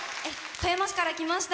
富山市から来ました